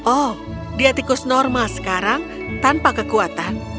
oh dia tikus normal sekarang tanpa kekuatan